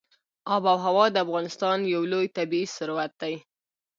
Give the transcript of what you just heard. آب وهوا د افغانستان یو لوی طبعي ثروت دی.